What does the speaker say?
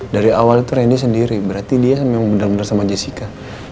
dari awal itu rendy sendiri berarti dia memang bener bener sama jessica